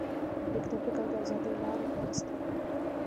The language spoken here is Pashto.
لیک د فکر د ازادۍ لاره پرانسته.